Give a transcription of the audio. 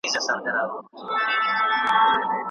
افغان خبریالان د پوره قانوني خوندیتوب حق نه لري.